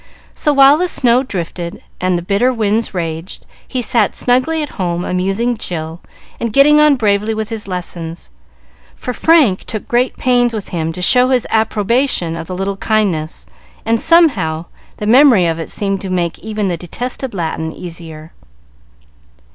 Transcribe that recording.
So, while the snow drifted, and bitter winds raged, he sat snugly at home amusing Jill, and getting on bravely with his lessons, for Frank took great pains with him to show his approbation of the little kindness, and, somehow, the memory of it seemed to make even the detested Latin easier.